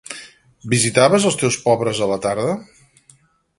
Visitaves els teus pobres a la tarda?